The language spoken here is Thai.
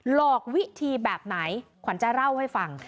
หลอกวิธีแบบไหนขวัญจะเล่าให้ฟัง